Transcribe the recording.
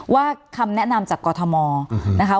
คำแนะนำจากกรทมนะคะ